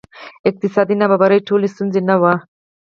اقتصادي نابرابري ټولې ستونزې نه وه.